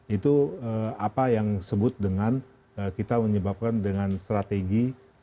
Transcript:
itu apa yang disebut dengan kita menyebabkan dengan strategi tiga ratus sembilan puluh